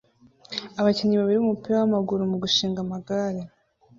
Abakinnyi babiri b'umupira w'amaguru mu gushinga amagare